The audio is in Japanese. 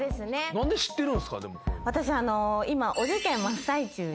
何で知ってるんですか？